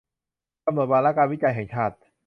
กำหนดวาระการวิจัยแห่งชาติ